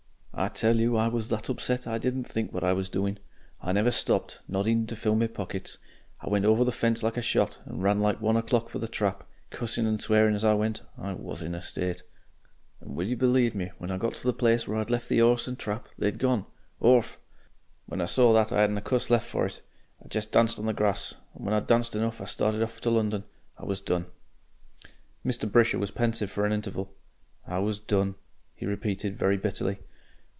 "I tell you I was that upset I didn't think what I was doing. I never stopped not even to fill my pockets. I went over the fence like a shot, and ran like one o'clock for the trap, cussing and swearing as I went. I WAS in a state.... "And will you believe me, when I got to the place where I'd left the 'orse and trap, they'd gone. Orf! When I saw that I 'adn't a cuss left for it. I jest danced on the grass, and when I'd danced enough I started off to London.... I was done." Mr. Brisher was pensive for an interval. "I was done," he repeated, very bitterly.